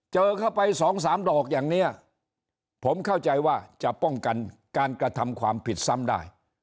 เจอเข้าไปสองสามดอกอย่างนี้ผมเข้าใจว่าจะป้องกันการกระทำความผิดซ้ำได้